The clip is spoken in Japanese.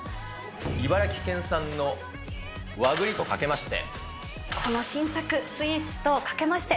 茨城県産の和栗とかけまして。